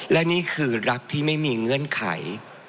และนี่คือรักที่ไม่มีเงื่อนไข